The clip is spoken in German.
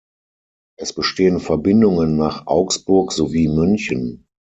Es bestehen Verbindungen nach Augsburg sowie München.